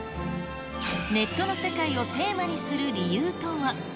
ネットの世界をテーマにする理由とは。